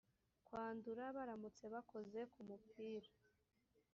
kwandura baramutse bakoze kumupira